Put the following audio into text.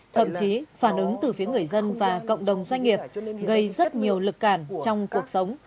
thậm chí phản ứng từ phía người dân và cộng đồng doanh nghiệp gây rất nhiều lực cản trong cuộc sống